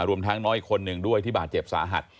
รวมทั้งน้อยอีกคนหนึ่งด้วยที่บาดเจ็บสาหัส